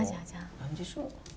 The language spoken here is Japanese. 何でしょう？